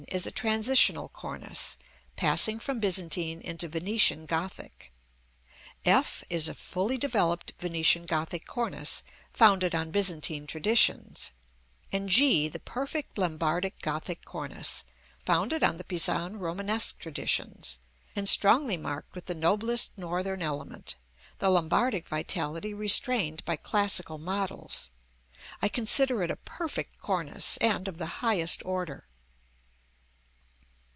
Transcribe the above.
is a transitional cornice, passing from Byzantine into Venetian Gothic: f is a fully developed Venetian Gothic cornice founded on Byzantine traditions; and g the perfect Lombardic Gothic cornice, founded on the Pisan Romanesque traditions, and strongly marked with the noblest Northern element, the Lombardic vitality restrained by classical models. I consider it a perfect cornice, and of the highest order.